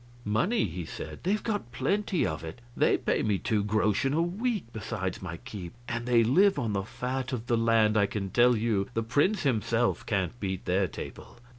"Money!" he said; "they've got plenty of it. They pay me two groschen a week, besides my keep. And they live on the fat of the land, I can tell you; the prince himself can't beat their table."